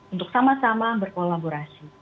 untuk sama sama berkolaborasi